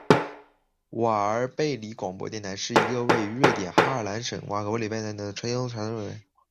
瓦尔贝里广播电台是一个位于瑞典哈兰省瓦尔贝里格里梅顿的低频传送设备。